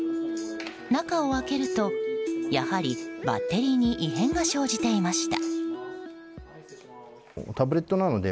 中を開けるとやはりバッテリーに異変が生じていました。